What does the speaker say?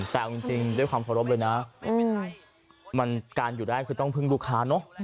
แต่เอาจริงด้วยความเคารพเลยนะมันการอยู่ได้คือต้องพึ่งลูกค้าเนอะ